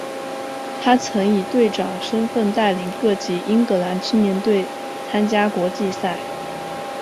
他曾以队长身份带领各级英格兰青年队参加国际赛。